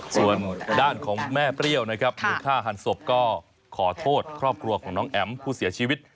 ส่วนด้านของแม่เปรี้ยวนะครับมือฆ่าหันศพก็ขอโทษครอบครัวของน้องแอ๋มผู้เสียชีวิต